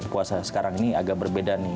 puasa sekarang ini agak berbeda nih